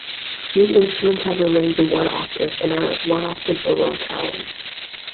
These instruments have a range of one octave, and are one octave below calung.